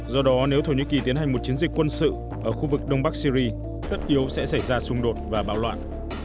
do đó nếu thổ nhĩ kỳ tiến hành một chiến dịch quân sự ở khu vực đông bắc syri tất yếu sẽ xảy ra xung đột và bạo loạn